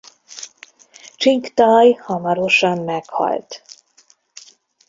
Csing-taj hamarosan meghalt.